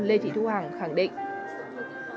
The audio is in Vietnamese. lê thị thu hằng khẳng định